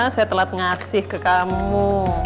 saya telat ngasih ke kamu